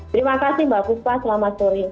terima kasih mbak puspa selamat sore